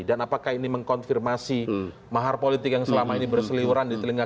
dan apakah ini mengkonfirmasi mahar politik yang selama ini berseliuran di telinga